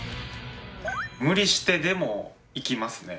無理してでも行きますね。